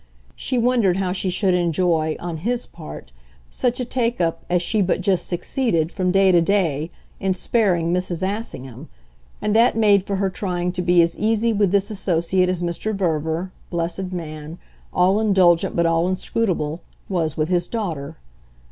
She wondered how she should enjoy, on HIS part, such a take up as she but just succeeded, from day to day, in sparing Mrs. Assingham, and that made for her trying to be as easy with this associate as Mr. Verver, blessed man, all indulgent but all inscrutable, was with his daughter.